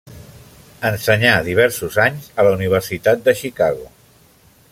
Ensenyà diversos anys a la Universitat de Chicago.